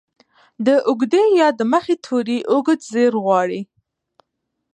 د اوږدې ې د مخه توری اوږدزير غواړي.